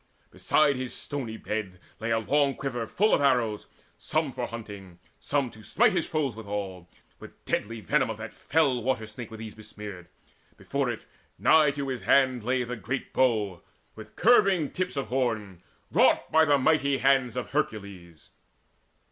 Beside his stony bed Lay a long quiver full of arrows, some For hunting, some to smite his foes withal; With deadly venom of that fell water snake Were these besmeared. Before it, nigh to his hand, Lay the great bow, with curving tips of horn, Wrought by the mighty hands of Hercules.